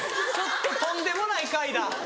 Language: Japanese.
とんでもない回だ。